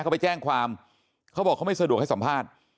เขาไปแจ้งความเขาบอกเขาไม่สะดวกให้สัมภาษณ์